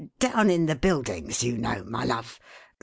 Down in the Buildings, you know, my love.